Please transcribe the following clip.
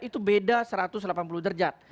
itu beda satu ratus delapan puluh derajat